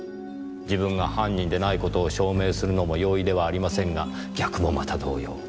自分が犯人でないことを証明するのも容易ではありませんが逆もまた同様。